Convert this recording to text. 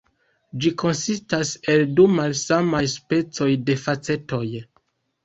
Ĝi konsistas el du malsamaj specoj de facetoj.